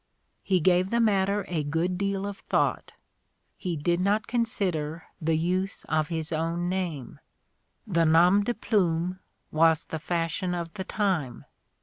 He gave the matter a good deal of thought. He did not consider the use of his own name; the nom de plume was the fashion of the time.